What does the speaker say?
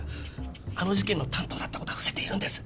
あの事件の担当だったことは伏せているんです。